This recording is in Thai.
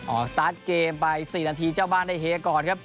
สตาร์ทเกมไป๔นาทีเจ้าบ้านได้เฮก่อนครับ